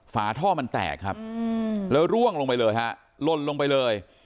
ฝาท่อมันแตกครับแล้วร่วงลงไปเลยฮะลนลงไปเลย